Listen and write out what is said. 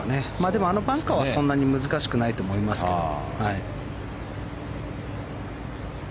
でもあのバンカーはそんなに難しくないと思いますけど。